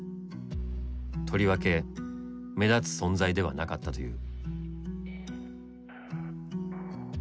とりわけ目立つ存在ではなかったという。